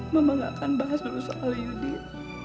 mama gak akan bahas dulu soal yudit